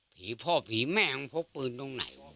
ผีพ่อผีแม่มึงพกปืนตรงไหนวะ